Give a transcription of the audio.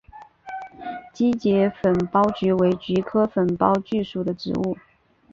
基节粉苞菊为菊科粉苞苣属的植物。